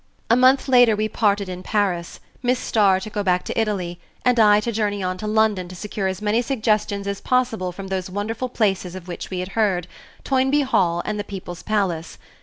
A month later we parted in Paris, Miss Starr to go back to Italy, and I to journey on to London to secure as many suggestions as possible from those wonderful places of which we had heard, Toynbee Hall and the People's Palace.